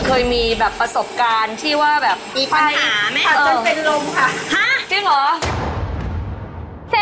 เคยมีแบบประสบการณ์ที่ว่าแบบมีปัญหาไหมคะจนเป็นลมค่ะจริงเหรอ